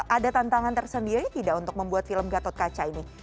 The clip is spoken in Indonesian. ada tantangan tersendiri tidak untuk membuat film gatot kaca ini